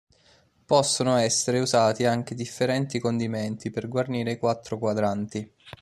Possono essere usati anche differenti condimenti per guarnire i quattro quadranti.